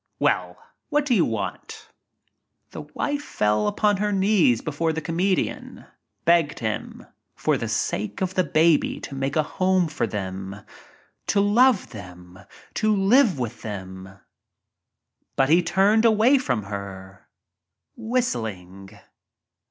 Well, what do you want?" )J The wife fell upon her knees before the come dian, begged him for the sake of the baby to make a home for them — to love them — to live with them. But he turned away from her — whistling.